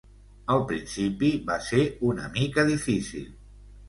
Al principi va ser una mica difícil.